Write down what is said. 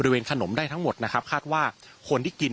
และก็คือว่าถึงแม้วันนี้จะพบรอยเท้าเสียแป้งจริงไหม